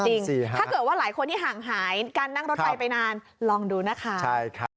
ถ้าเกิดว่าหลายคนที่ห่างหายการนั่งรถไปไปนานลองดูนะคะ